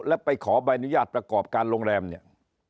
แล้วไปขอใบอนุญาตประกอบการโรงแรมเนี่ย